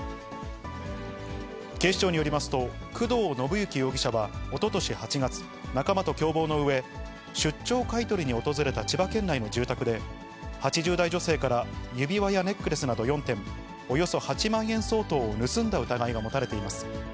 警視庁によりますと、工藤伸之容疑者はおととし８月、仲間と共謀のうえ、出張買い取りに訪れた千葉県内の住宅で、８０代女性から指輪やネックレスなど４点、およそ８万円相当を盗んだ疑いが持たれています。